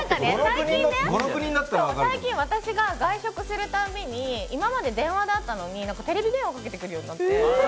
最近、私が外食するたびに今まで電話だったのにテレビ電話かけてくるようになって。